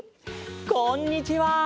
こんにちは。